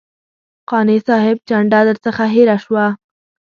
قانع صاحب جنډه درڅخه هېره شوه.